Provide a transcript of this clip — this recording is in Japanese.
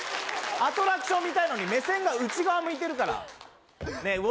アトラクション見たいのに目線が内側向いてるからねえうわ